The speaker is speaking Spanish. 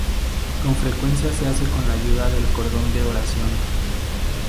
Con frecuencia se hace con la ayuda del cordón de oración.